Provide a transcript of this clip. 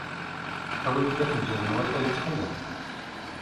Awey-d afenjal n watay, ttxil-m.